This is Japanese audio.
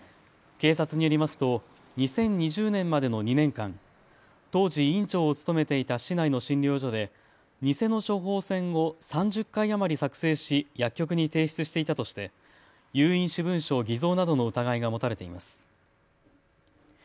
警察によりますと２０２０年までの２年間、当時、院長を務めていた市内の診療所で偽の処方箋を３０回余り作成し薬局に提出していたとして有印私文書偽造などの疑いが持たれています。